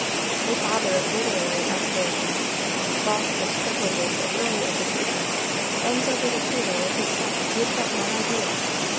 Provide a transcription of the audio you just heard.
A father of literary aspirations, balked of privileges of early education, bends over the cradle of his son with but one idea.